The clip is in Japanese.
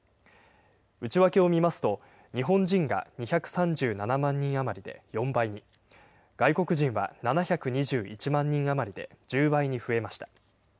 内訳を見ますと、日本人が２３７万人余りで４倍に、外国人は７２１万人余りで１０倍に増えました。